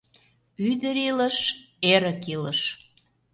Ӱдыр илыш — эрык илыш.